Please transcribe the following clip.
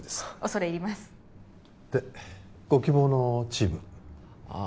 恐れ入りますでご希望のチームああ